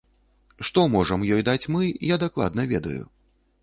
Што можам ёй даць мы, я дакладна ведаю.